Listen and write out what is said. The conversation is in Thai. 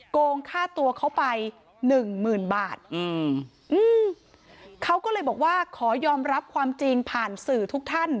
โกงค่าตัวเขาไปหนึ่งหมื่นบาทอืมเขาก็เลยบอกว่าขอยอมรับความจริงผ่านสื่อทุกท่าน